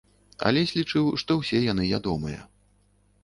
Алесь лічыў, што ўсе яны ядомыя.